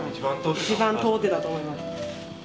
一番通ってたと思います。